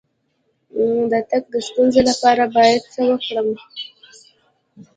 د تګ د ستونزې لپاره باید څه وکړم؟